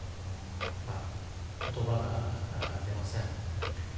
言葉が出ません。